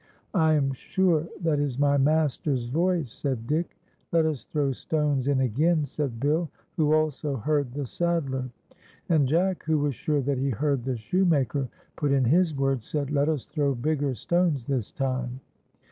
" I am sure that is my master's voice," said Dick. "Let us throw stones in again," said Bill, who also heard the saddler. And Jack, who was sure that he heard the shoe maker put in his word, said, "Let us throw bigger stones this time."